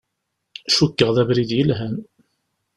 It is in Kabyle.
Cukkeɣ d abrid yelhan.